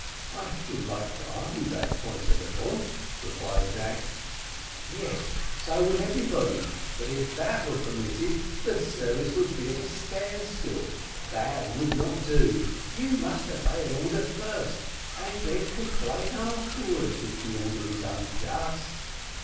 "I should like to argue that point a little," replied Jack. "Yes, so would everybody; but if that were permitted, the service would be at a standstill that would not do; you must obey an order first, and then complain afterwards, if the order is unjust."